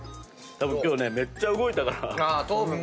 たぶん今日ねめっちゃ動いたから。